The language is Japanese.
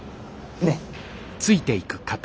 ねっ。